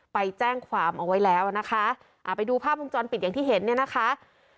ไปแจ้งความเอาไว้แล้วนะคะอ่าไปดูภาพวงจรปิดอย่างที่เห็นเนี่ยนะคะ